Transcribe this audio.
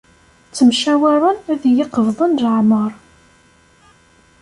Ttemcawaren ad yi-qebḍen leɛmeṛ.